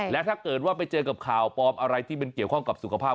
และถ้าเกิดว่าไปเจอกับข่าวปลอมอะไรที่มันเกี่ยวข้องกับสุขภาพ